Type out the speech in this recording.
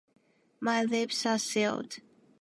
My lips are sealed.